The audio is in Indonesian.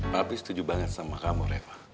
nah aku setuju banget sama kamu reva